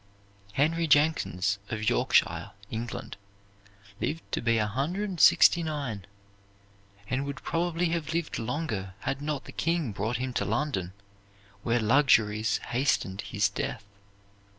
Henry Jenkins, of Yorkshire, England, lived to be a hundred and sixty nine, and would probably have lived longer had not the king brought him to London, where luxuries hastened his death.